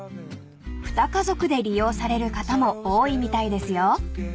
［２家族で利用される方も多いみたいですよ］